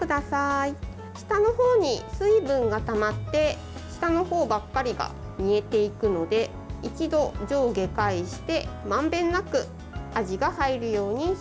下の方に水分がたまって下の方ばっかりが煮えていくので一度、上下返して、まんべんなく味が入るようにします。